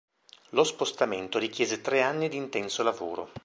Lo spostamento richiese tre anni di intenso lavoro.